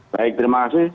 baik terima kasih